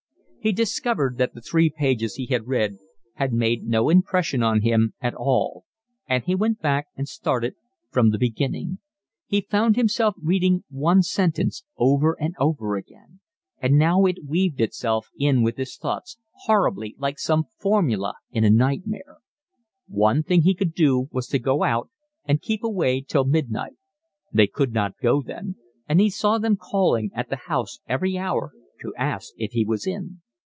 He discovered that the three pages he had read had made no impression on him at all; and he went back and started from the beginning: he found himself reading one sentence over and over again; and now it weaved itself in with his thoughts, horribly, like some formula in a nightmare. One thing he could do was to go out and keep away till midnight; they could not go then; and he saw them calling at the house every hour to ask if he was in.